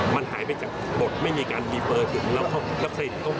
มันหายไปจากบทไม่มีการดีเฟอร์ถึงแล้วขายไปไหน